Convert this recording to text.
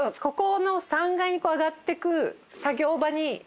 ここの３階に上がってく作業場に。